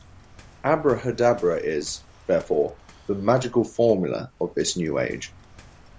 Abrahadabra is, therefore, the "magical formula" of this new age.